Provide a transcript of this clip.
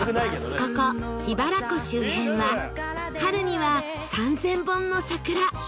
ここ桧原湖周辺は春には３０００本の桜